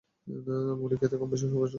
মুড়ি খেতে কমবেশি সবাই পছন্দ করেন।